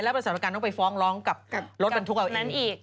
แล้วประสาทประกันต้องไปฟ้องร้องกับรถบรรทุกเอาอีก